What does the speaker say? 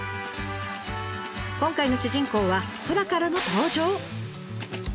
今回の主人公は空からの登場！？